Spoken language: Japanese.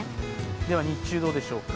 では日中どうでしょうか。